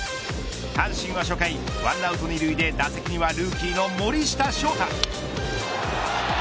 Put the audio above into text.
阪神は初回、１アウト２塁で打席にはルーキーの森下翔太。